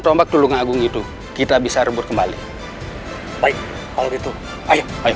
tombak tulung agung itu kita bisa rebut kembali baik kalau gitu ayo ayo